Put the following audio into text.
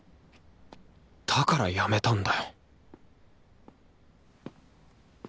だからやめたんだよ